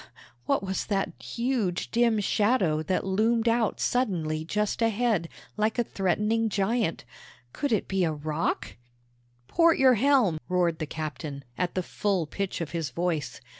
what was that huge dim shadow that loomed out suddenly just ahead, like a threatening giant? Could it be a rock? "Port your helm! port!" roared the captain, at the full pitch of his voice.